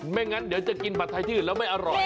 ไม่งั้นจะกินผัดไทยที่อันอื่นแล้วไม่อร่อย